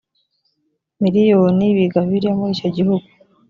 miriyoni biga bibiliya muri icyo gihugu